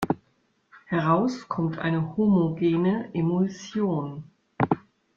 Heraus kommt eine homogene Emulsion.